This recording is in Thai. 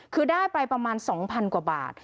คือได้ไปประมาณ๒๐๐๐กว่าบาท